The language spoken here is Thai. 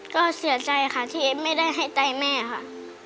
ก็เสียใจค่ะที่ไม่ได้ให้ใจแม่ค่ะ